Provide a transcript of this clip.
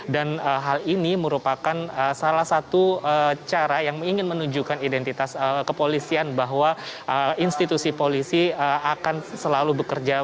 dan hal ini merupakan salah satu cara yang ingin menunjukkan identitas kepolisian bahwa institusi polisi akan selalu bekerja